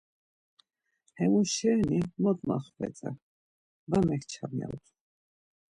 Hemu şeni mot maxvetzer, var mekçam ya utzu.